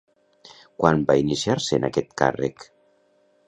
Quan va iniciar-se en aquest càrrec?